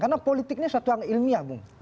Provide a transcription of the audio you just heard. karena politiknya suatu yang ilmiah bu